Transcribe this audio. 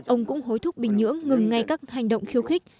ông cũng hối thúc bình nhưỡng ngừng ngay các hành động khiêu khích